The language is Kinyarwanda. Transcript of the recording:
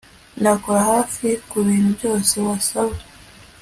nakora hafi kubintu byose wasaba